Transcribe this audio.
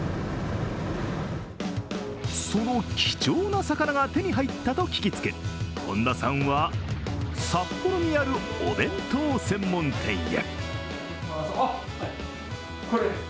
その貴重な魚が手に入ったと聞きつけ、本田さんは、札幌にあるお弁当専門店へ。